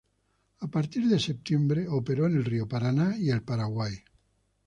A partir de septiembre operó en el río Paraná y el Paraguay.